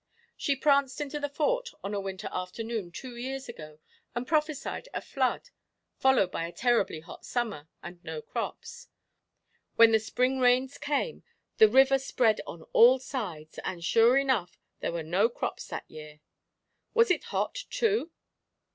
She pranced into the Fort on a Winter afternoon two years ago and prophesied a flood, followed by a terribly hot Summer, and no crops. When the Spring rains came, the river spread on all sides, and, sure enough, there were no crops that year." "Was it hot, too?"